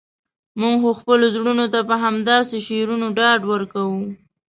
موږ خو خپلو زړونو ته په همداسې شعرونو ډاډ ورکوو.